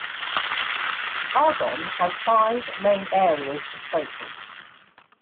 Argonne has five main areas of focus.